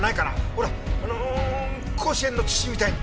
ほらあの甲子園の土みたいに！